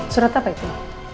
surat apa itu